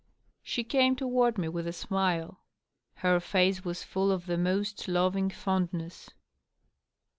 She came toward me with a smile. Her face was full of the most loving fondness.